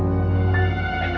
aku sudah berhenti